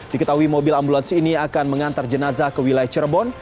diketahui mobil ambulans ini akan mengantar jenazah ke wilayah cirebon